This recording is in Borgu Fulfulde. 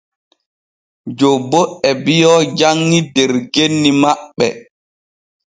Jobbo e biyo janŋi der genni maɓɓe.